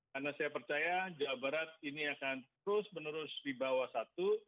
karena saya percaya jawa barat ini akan terus menerus di bawah satu